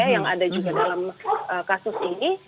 yang ada juga dalam kasus ini